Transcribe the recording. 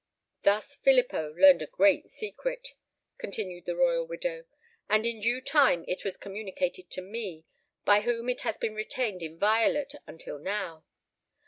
"Thus Filippo learnt a great secret," continued the royal widow; "and in due time it was communicated to me, by whom it has been retained inviolate until now.